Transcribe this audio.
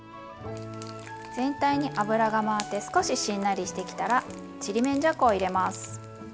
全体に油が回って少ししんなりしてきたらちりめんじゃこを入れます。